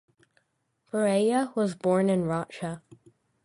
Pereyra was born in Rocha.